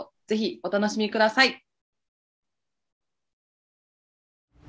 ぜひお楽しみください。